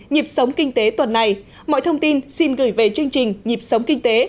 nhịp sống kinh tế tuần này mọi thông tin xin gửi về chương trình nhịp sống kinh tế